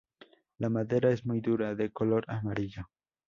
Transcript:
La madera es muy dura, de color amarillo.